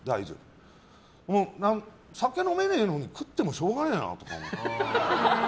酒を飲めねえのに食ってもしょうがねえなって。